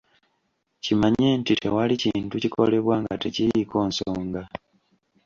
Kimanye nti tewali kintu kikolebwa nga tekiriiko nsonga.